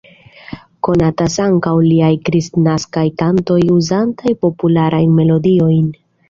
Konatas ankaŭ liaj kristnaskaj kantoj uzantaj popularajn melodiojn.